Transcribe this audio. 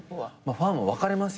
ファンも分かれますよね。